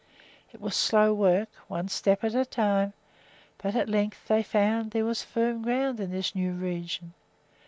It was slow work, one step at a time; but at length they found that there was firm ground in this new region.